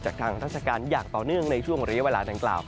จากท่านธรรมชาติการอย่างเป่าเนื่องในช่วงระยะเวลาต่าง